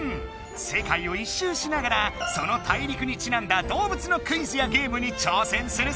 世界を一周しながらその大陸にちなんだ動物のクイズやゲームに挑戦するぞ！